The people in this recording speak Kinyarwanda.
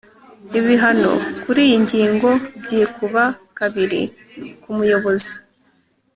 ibihano kuri iyi ngingo byikuba kabiri ku muyobozi